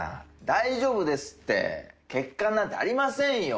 大丈夫ですって欠陥なんてありませんよ